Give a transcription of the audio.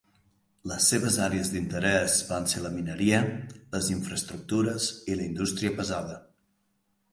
Les seves àrees d'interès van ser la mineria, les infraestructures i la indústria pesada.